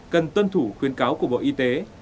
cần tuân thủ khuyến cáo của bộ y tế